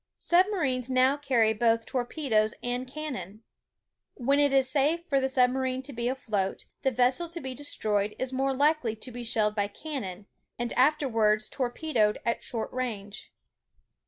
Submarines now carry both torpedoes and can non. When it is safe for the submarine to be afloat, the vessel to be destroyed is more Ukely to be shelled by cannon and afterwards torpedoed at short range.